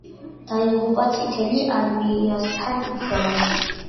დაიღუპა წითელ არმიასთან ბრძოლაში.